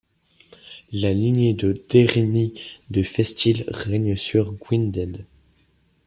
La lignée de derynie de Festil règne sur Gwynedd.